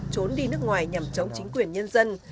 trốn đi nước ngoài nhằm chống chính quyền nhân dân